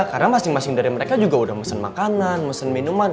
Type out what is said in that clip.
karena masing masing dari mereka juga udah mesen makanan mesen minuman